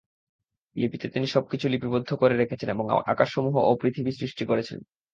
লিপিতে তিনি সব কিছু লিপিবদ্ধ করে রেখেছেন এবং আকাশসমূহ ও পৃথিবী সৃষ্টি করেছেন।